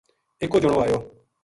اِکو جنو آیو